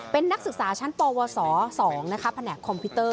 เป็นนักศึกษาชั้นปวส๒แผนกคอมพิวเตอร์